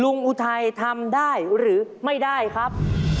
อุทัยทำได้หรือไม่ได้ครับ